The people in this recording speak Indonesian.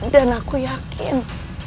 dan aku yakin